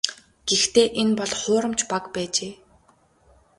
Гэхдээ энэ бол хуурамч баг байжээ.